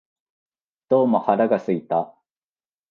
どうも腹が空いた